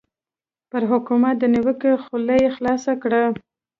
پر حکومت د نیوکو خوله یې خلاصه کړه.